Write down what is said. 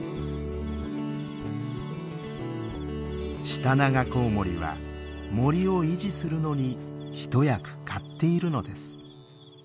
シタナガコウモリは森を維持するのに一役買っているのです。